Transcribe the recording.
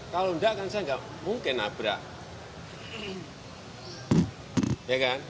kalau enggak kan saya nggak mungkin nabrak